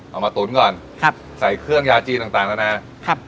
มาตุ๋นก่อนครับใส่เครื่องยาจีนต่างต่างนานาครับ